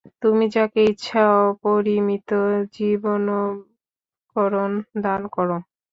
তুমি যাকে ইচ্ছা অপরিমিত জীবনোপকরণ দান কর।